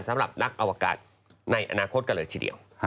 สำหรับนักอวกาศในอนาคตกันเลยทีเดียว